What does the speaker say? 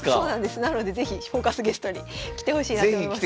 なので是非「フォーカス」ゲストに来てほしいなと思います。